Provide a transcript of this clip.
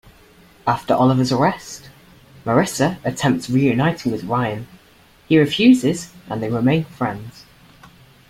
After Oliver's arrest, Marissa attempts reuniting with Ryan, he refuses and they remain friends.